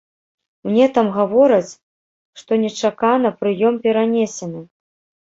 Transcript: Мне там гавораць, што нечакана прыём перанесены.